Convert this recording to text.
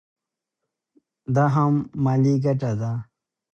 دا هم مالي ګټه ده.